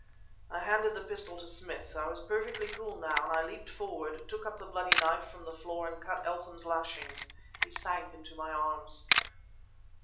I handed the pistol to Smith; I was perfectly cool, now; and I leaped forward, took up the bloody knife from the floor and cut Eltham's lashings. He sank into my arms.